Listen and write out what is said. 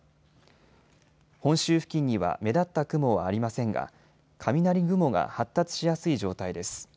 本州付近には目立った雲はありませんが雷雲が発達しやすい状態です。